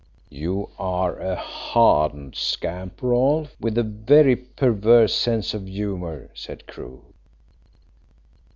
"You are a hardened scamp, Rolfe, with a very perverse sense of humour," said Crewe.